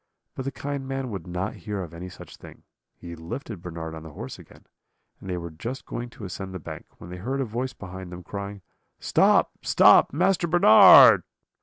But the kind man would not hear of any such thing; he lifted Bernard on the horse again, and they were just going to ascend the bank, when they heard a voice behind them, crying: 'Stop, stop, Master Bernard.'